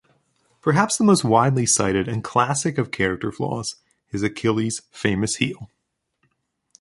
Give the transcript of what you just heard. Perhaps the most widely cited and classic of character flaws is Achilles' famous heel.